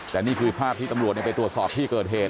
แต่นี่คือภาพที่ตำรวจไปตรวจสอบที่เกิดเหตุ